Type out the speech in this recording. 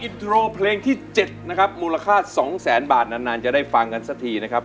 อินโทรเพลงที่๗นะครับมูลค่า๒แสนบาทนานจะได้ฟังกันสักทีนะครับ